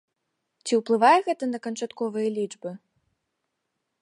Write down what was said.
Ці ўплывае гэта на канчатковыя лічбы?